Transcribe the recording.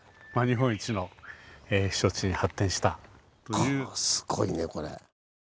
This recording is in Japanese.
かぁすごいねこれ。